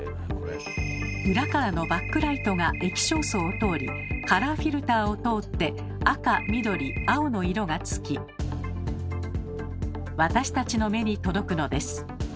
裏からのバックライトが液晶層を通りカラーフィルターを通って赤緑青の色がつき私たちの目に届くのです。